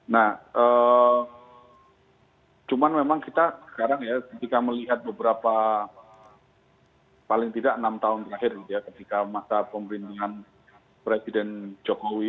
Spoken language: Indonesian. nah cuman memang kita sekarang ya ketika melihat beberapa paling tidak enam tahun terakhir ketika masa pemerintahan presiden jokowi